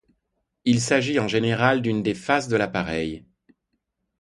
Il s'agit en général d'une des faces de l'appareil.